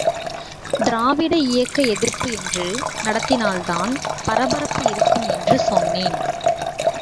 திராவிட இயக்க எதிர்ப்பு என்று நடத்தினால்தான் பரபரப்பு இருக்கும் என்று சொன்னேன்.